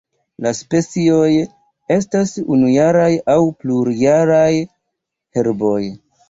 La specioj estas unujaraj aŭ plurjaraj herboj.